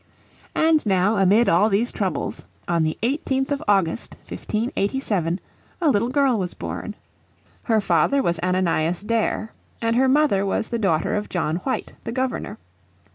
And now amid all these troubles on the 18th of August, 1587, a little girl was born. Her father was Ananias Dare, and her mother was the daughter of John White, the Governor.